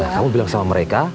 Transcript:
kamu bilang sama mereka